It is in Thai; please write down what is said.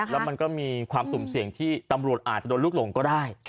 แล้วมันก็มีความสุ่มเสี่ยงที่ตำรวจอาจจะโดนลูกหลงก็ได้